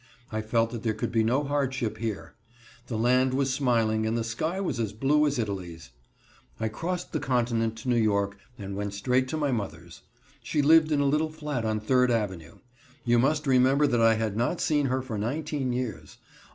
I felt that there could be no hardship here. The land was smiling and the sky was as blue as Italy's. I crossed the continent to New York and went straight to my mother's. She lived in a little flat on Third Avenue. You must remember that I had not seen her for nineteen years.